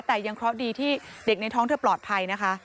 แต่ยังเคราะห์ดีที่เด็กในท้องเธอปลอดภัยนะคะ